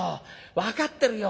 分かってるよ。